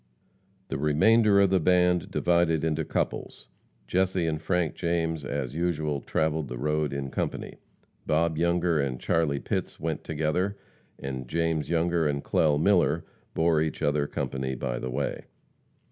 The remainder of the band divided into couples. Jesse and Frank James, as usual, travelled the road in company. Bob Younger and Charlie Pitts went together, and James Younger and Clell Miller bore each other company by the way.